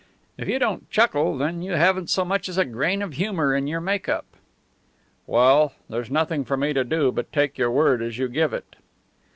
If you don't chuckle, then you haven't so much as a grain of humour in your make up." "Well, there's nothing for me to do but take your word as you give it."